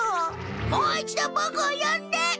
もう一度ボクをよんで！